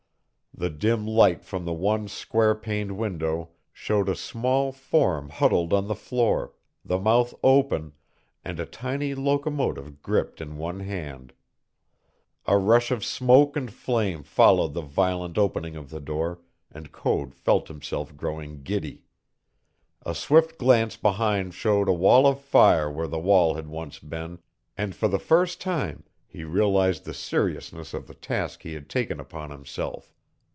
The dim light from the one square paned window showed a small form huddled on the floor, the mouth open, and a tiny locomotive gripped in one hand. A rush of smoke and flame followed the violent opening of the door, and Code felt himself growing giddy. A swift glance behind showed a wall of fire where the hall had once been, and for the first time he realized the seriousness of the task he had taken upon himself.